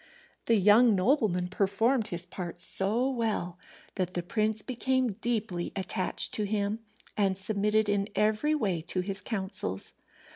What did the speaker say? The young nobleman performed his part so well that the prince became deeply attached to him, and submitted in every way to his counsels.